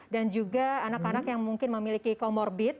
dan juga anak anak yang mungkin memiliki comorbid